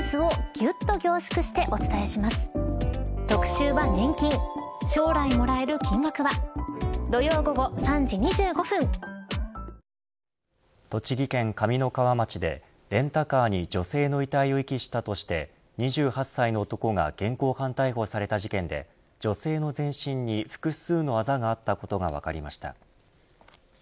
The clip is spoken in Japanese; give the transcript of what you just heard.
週末に飲むおいっしいビールって考えるだけでなんでこんなに幸せなんだろう栃木県上三川町でレンタカーに女性の遺体を遺棄したとして２８歳の男が現行犯逮捕された事件で女性の全身に複数のあざがあったことが分かりました。